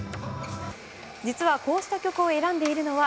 実はこうした曲を選んでいるのは